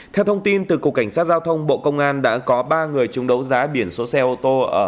theo thông tin từ cục cảnh sát giao thông bộ công an đã có ba người chúng đấu giá biển số xe ô tô